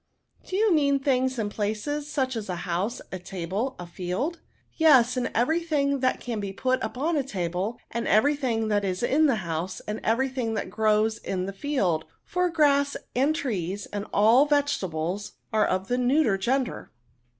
'^ Do you mean things and places ; such as a house, a table, a field?" " Yes, and every thing that can be put upon the table, and every thing that is in the house, and every thing that grows in the field ; for grass, and trees, and all vegetables, are of the neuter gender."